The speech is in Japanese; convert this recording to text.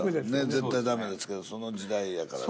絶対ダメですけどその時代やからね。